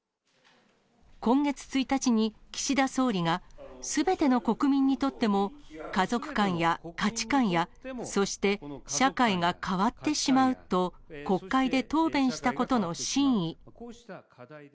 今月１日に岸田総理が、すべての国民にとっても家族観や価値観やそして社会が変わってしまうと国会で答弁したことの真意。